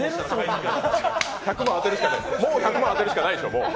もう１００万当てるしかないでしょう。